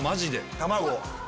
卵。